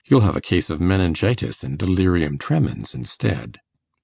You'll have a case of meningitis and delirium tremens instead.